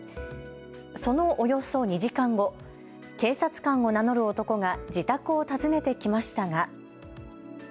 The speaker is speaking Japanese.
そのおよそ２時間後、警察官を名乗る男が自宅を訪ねてきましたが。